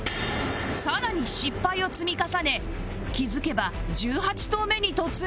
更に失敗を積み重ね気付けば１８投目に突入